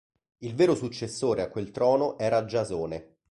Il vero successore a quel trono era Giasone.